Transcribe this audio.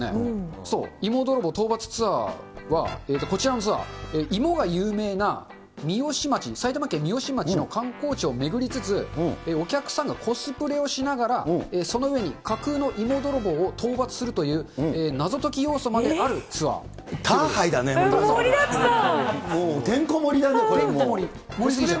そう、芋泥棒討伐ツアーはこちらのツアー、芋が有名な三芳町、埼玉県三芳町の観光地を巡りつつ、お客さんがコスプレをしながら、その上に架空の芋泥棒を討伐するという謎解き要素まであるツアーもりだくさん。